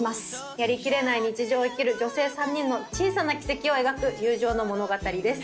やりきれない日常を生きる女性３人の小さな奇跡を描く友情の物語です。